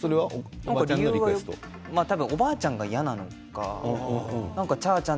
多分おばあちゃんが嫌なのかちゃーちゃん。